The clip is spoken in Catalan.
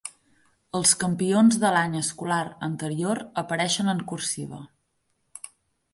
Els campions de l'any escolar anterior apareixen en "cursiva".